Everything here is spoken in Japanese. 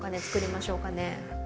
つくりましょうかね？